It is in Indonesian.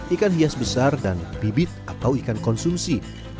ikan hias besar dan bibit atau ikan konsumsi